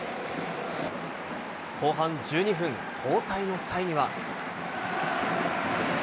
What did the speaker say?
後半１２分、交代の際には。